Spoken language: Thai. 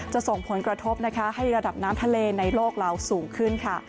ส่งผลกระทบนะคะให้ระดับน้ำทะเลในโลกเราสูงขึ้นค่ะ